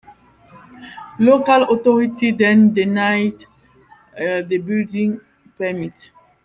Local authorities then denied the building permit.